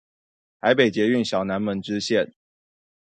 台北捷運小南門支線